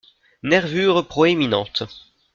Nervures proéminentes.